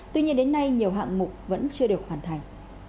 tuy nhiên đến nay nhiều hạng mục vẫn chưa được hoàn thành